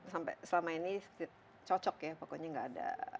sampai selama ini cocok ya pokoknya nggak ada